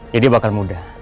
jadi bakal mudah